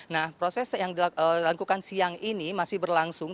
nah proses yang dilakukan siang ini masih berlangsung